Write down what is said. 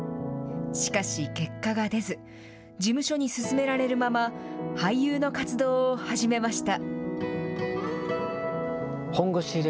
しかし、結果が出ず、事務所に勧められるまま、俳優の活動を始めました。